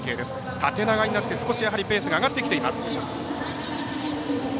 縦長になって少しペースが上がってきています。